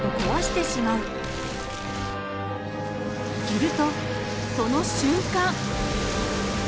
するとその瞬間！